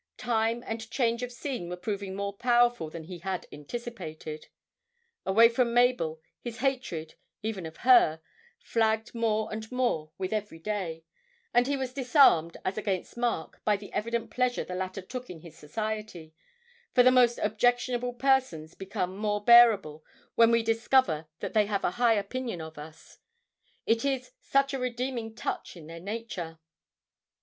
Time and change of scene were proving more powerful than he had anticipated; away from Mabel, his hatred, even of her, flagged more and more with every day, and he was disarmed as against Mark by the evident pleasure the latter took in his society, for the most objectionable persons become more bearable when we discover that they have a high opinion of us it is such a redeeming touch in their nature.